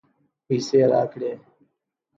پیسې راکړې.